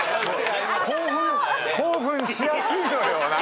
興奮しやすいのよ。